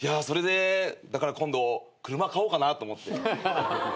それでだから今度車買おうかなと思って。